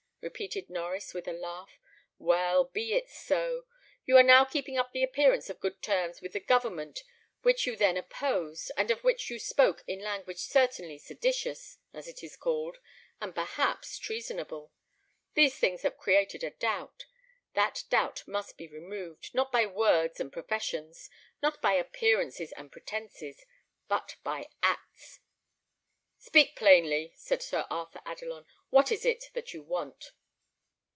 repeated Norries, with a laugh; "well, be it so. You are now keeping up the appearance of good terms with the government which you then opposed, and of which you spoke in language certainly seditious, as it is called, and perhaps treasonable. These things have created a doubt. That doubt must be removed, not by words and professions, not by appearances and pretences, but by acts." "Speak plainly," said Sir Arthur Adelon. "What is it that you want?"